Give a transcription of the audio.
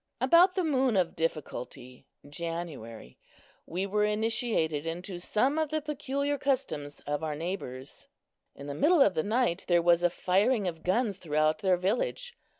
About the Moon of Difficulty (January) we were initiated into some of the peculiar customs of our neighbors. In the middle of the night there was a firing of guns throughout their village.